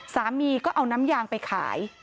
สามีก็เอาน้ำยางไปขาย